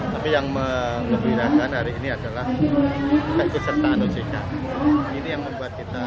tapi yang mengembirakan hari ini adalah keikutsertaan ojk ini yang membuat kita